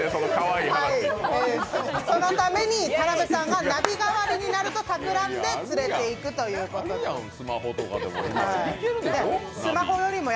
そのために田辺さんがナビ代わりになるとたくらんで連れて行くということです。